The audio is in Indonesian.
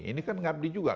ini kan ngabdi juga